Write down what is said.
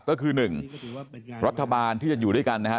ก็คือ๑รัฐบาลที่จะอยู่ด้วยกันนะครับ